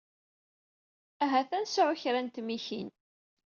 Ahat ad nesɛu kan kra n tmikin.